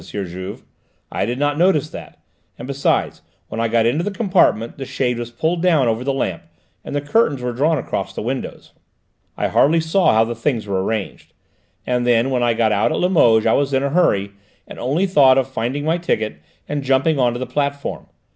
Juve. I did not notice that; and, besides, when I got into the compartment, the shade was pulled down over the lamp, and the curtains were drawn across the windows. I hardly saw how the things were arranged. And then, when I got out at Limoges I was in a hurry, and only thought about finding my ticket and jumping on to the platform.